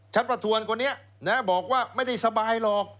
ประทวนคนนี้บอกว่าไม่ได้สบายหรอก